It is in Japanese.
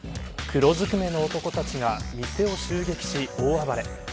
黒ずくめの男たちが店を襲撃し、大暴れ。